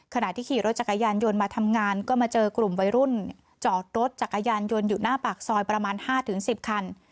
ขณะที่ขี่รถจักรยานยนต์มาทำงานก็มาเจอกลุ่มวัยรุ่นจอดรถจักรยานยนต์อยู่หน้าปากซอยประมาณ๕๑๐คัน